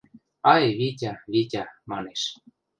– Ай, Витя, Витя, – манеш.